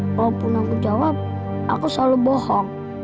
walaupun aku jawab aku selalu bohong